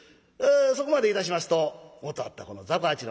そこまでいたしますともとあったこの雑穀八の店